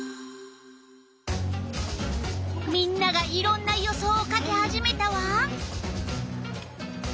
みんながいろんな予想を書き始めたわ。